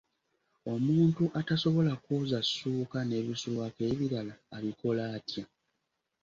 Omuntu atasobola kwoza ssuuka n'ebisulwako ebirala abikola atya?